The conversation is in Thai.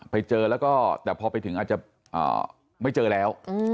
ไปเจอแล้วก็แต่พอไปถึงอาจจะไม่เจอแล้ว